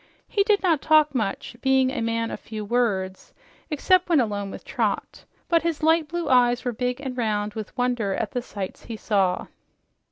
He did not talk much, being a man of few words except when alone with Trot, but his light blue eyes were big and round with wonder at the sights he saw.